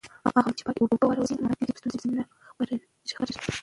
هغه مهال چې پاکې اوبه وکارول شي، معدي ستونزې نه خپرېږي.